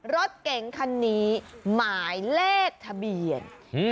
รถเก๋งคันนี้หมายเลขทะเบียน